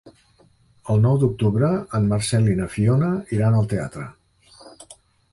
El nou d'octubre en Marcel i na Fiona iran al teatre.